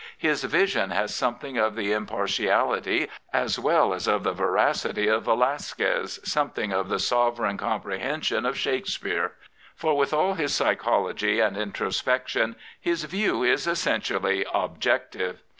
His vision has something of the impartiality as well as of the vemcity of Velasquez, something of the sovereign comprehen sion of Shakespeare. For with all his psychology and introspection his view is essentially objective.